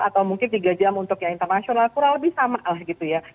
atau mungkin tiga jam untuk yang internasional kurang lebih sama lah gitu ya